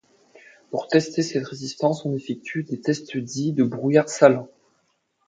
Pour tester cette résistance, on effectue des tests dits de brouillard salin.